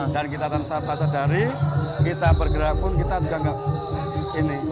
dan kita tak sadar sadari kita bergerak pun kita juga gak ini